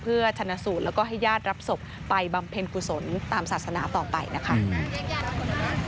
เพื่อชนะสูตรแล้วก็ให้ญาติรับศพไปบำเพ็ญกุศลตามศาสนาต่อไปนะคะ